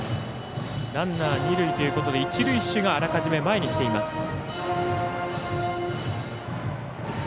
ランナー、二塁ということで一塁手があらかじめ前に来ています。